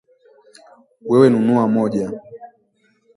Wewe nunua moja